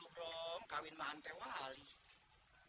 oh bro senjum senyum tuh kayak gue nih lihat gua senyumugs